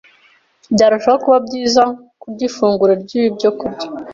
Byarushaho kuba byiza kurya ifunguro ry’ibyokurya